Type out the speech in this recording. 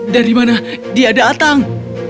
dari mana dia datang